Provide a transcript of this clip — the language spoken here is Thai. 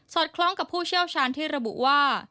คล้องกับผู้เชี่ยวชาญที่ระบุว่า